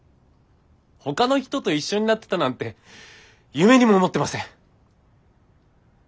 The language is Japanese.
ほかの人と一緒になってたなんて夢にも思ってません。